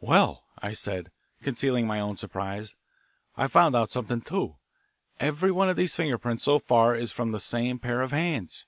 "Well," I said, concealing my own surprise, "I've found out something, too. Every one of these finger prints so far is from the same pair of hands."